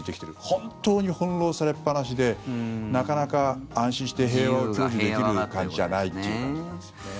本当に翻ろうされっぱなしでなかなか安心して平和を享受できる感じじゃないという感じなんですよね。